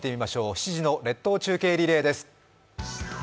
７時の列島中継リレーです。